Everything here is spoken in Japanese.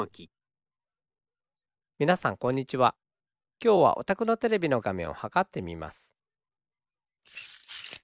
きょうはおたくのテレビのがめんをはかってみます。